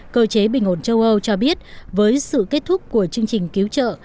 cơ chế bình ổn châu âu cho biết với sự kết thúc của chương trình cứu trợ